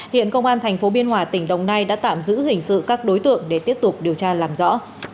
hiện công an tp biên hòa tỉnh đồng nai đã tạm giữ hình sự các đối tượng để tiếp tục điều tra làm rõ